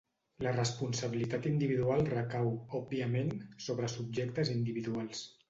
La responsabilitat individual recau, òbviament, sobre subjectes individuals.